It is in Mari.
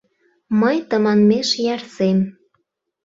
Мый тыманмеш ярсем...